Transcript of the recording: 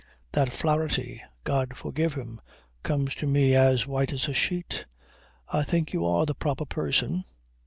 That Flaherty, God forgive him, comes to me as white as a sheet, "I think you are the proper person."